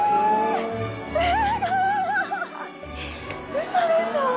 ウソでしょ！